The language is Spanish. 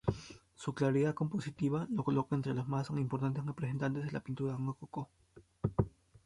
Su claridad compositiva lo coloca entre los más importantes representantes de la pintura rococó.